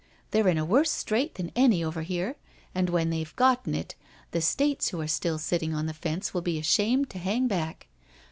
They're in a worse strait than any over here, and when they've gotten it, the states who are still sitting on the fence will be ashamed to hang back.